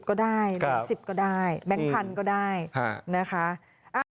ก็ได้๑๐ก็ได้แบงค์๑๐๐๐ก็ได้นะคะอ้าว